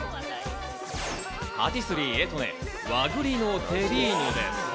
パティスリーエトネ、和栗のテリーヌ。